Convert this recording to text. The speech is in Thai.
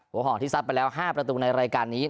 ห่อที่ซัดไปแล้ว๕ประตูในรายการนี้